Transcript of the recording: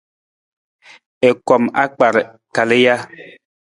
I kom akpar kali ja?